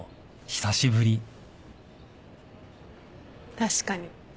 確かに。